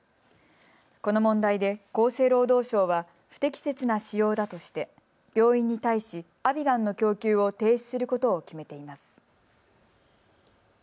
この問題で厚生労働省は不適切な使用だとして病院に対し、アビガンの供給を停止することを決めています。